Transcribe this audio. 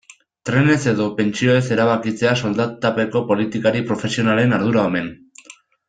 Trenez edo pentsioez erabakitzea soldatapeko politikari profesionalen ardura omen.